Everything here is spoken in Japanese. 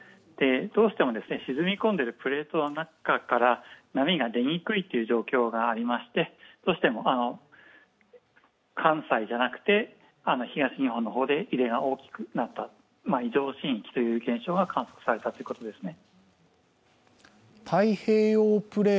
どうしても沈み込んでいるプレートの中から波が出にくいという状況がありまして、どうしても関西じゃなくて東日本の方で揺れが大きくなった、異常震域という現象が観測されたということですね。